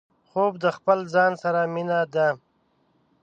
خوب د خپل ځان سره مينه ده